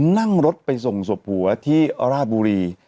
นั่งรถไปส่งศพผัวที่ราชบุรี